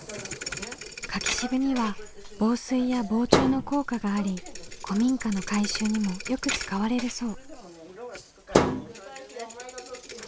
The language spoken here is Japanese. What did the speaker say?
柿渋には防水や防虫の効果があり古民家の改修にもよく使われるそう。